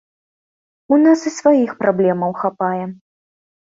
У нас і сваіх праблемаў хапае.